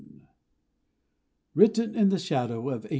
Mooni (Written in the shadow of 1872.)